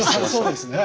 そうですね。